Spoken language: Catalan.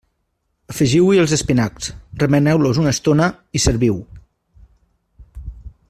Afegiu-hi els espinacs, remeneu-los una estona i serviu.